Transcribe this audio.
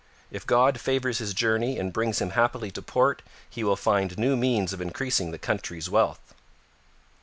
...If God favours his journey and brings him happily to port he will find new means of increasing the country's wealth.'